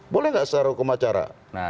boleh nggak secara hukum acara